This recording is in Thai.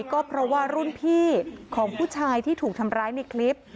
ก็เพราะว่ารุ่นพี่ของผู้ชายที่ถูกทำร้ายในคลิป